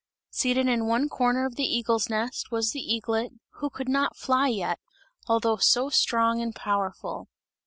Seated in one corner of the eagle's nest was the eaglet, who could not fly yet, although so strong and powerful.